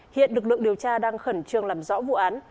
hiện lực lượng điều tra đang khẩn trương làm rõ vụ án